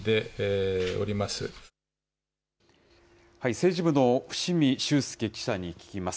政治部の伏見周祐記者に聞きます。